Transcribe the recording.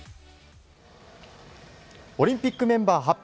オリンピックメンバー発表